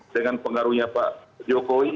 dengan pengaruhnya pak jokowi